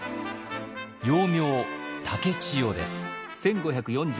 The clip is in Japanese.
幼名竹千代です。